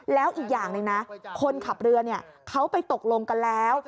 แล้วอีกอย่างหนึ่งนะคนขับเรือเขาไปตกลงกันแล้ว